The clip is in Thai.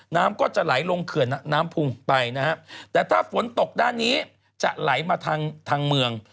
น้ำก็จะไหลลงเขื่อนน้ำพุงไปนะฮะแต่ถ้าฝนตกด้านนี้จะไหลมาทางทางเมือง